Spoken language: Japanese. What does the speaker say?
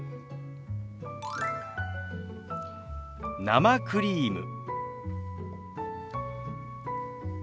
「生クリーム」。